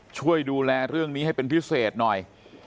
ช่วยดูแลเรื่องนี้ให้เป็นพิเศษหน่อย